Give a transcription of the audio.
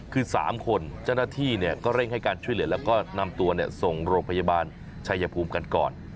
คือ๓คนเจ้าหน้าที่ก็เร่งให้การช่วยเหลือแล้วก็นำตัวส่งโรงพยาบาลชัยภูมิกันก่อน